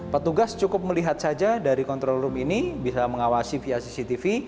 petugas cukup melihat saja dari control room ini bisa mengawasi via cctv